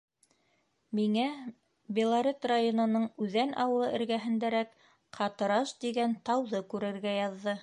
Миңә Белорет районының Үҙән ауылы эргәһендәрәк Ҡатарыж тигән тауҙы күрергә яҙҙы.